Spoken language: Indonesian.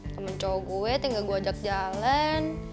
temen cowok gue tinggal gue ajak jalan